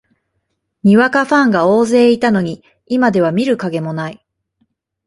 にわかファンが大勢いたのに、今では見る影もない